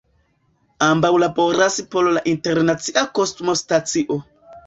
Ambaŭ laboras por la Internacia Kosmostacio.